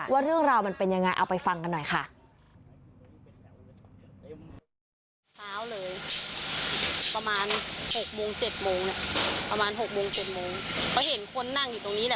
ว่าเรื่องราวมันเป็นยังไงเอาไปฟังกันหน่อยค่ะ